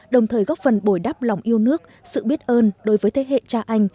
đồng thời góp phần bồi đắp lòng yêu nước sự biết ơn đối với thế hệ cha anh